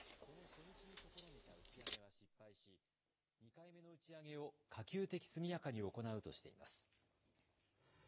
その初日に試みた打ち上げは失敗し、２回目の打ち上げを可及的速やかに行うとしています。